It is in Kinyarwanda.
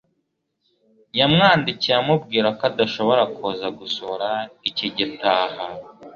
yamwandikiye amubwira ko adashobora kuza gusura icyi gitaha